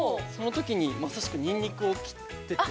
そのときにまさしくニンニクを切ってて。